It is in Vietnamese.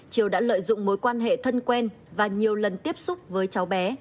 triều đã lợi dụng mối quan hệ thân quen và nhiều lần tiếp xúc với cháu bé